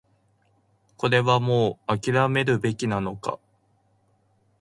これはもう諦めるべきなのか